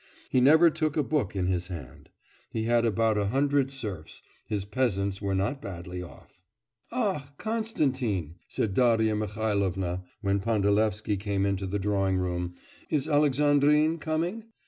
He never took a book in his hand. He had about a hundred serfs; his peasants were not badly off. 'Ah! Constantin,' said Darya Mihailovna, when Pandalevsky came into the drawing room, 'is Alexandrine coming?